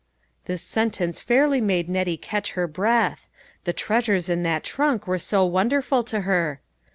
This sentence fairly made Nettie catch her breath. The treasures in that trunk were so wonderful to her.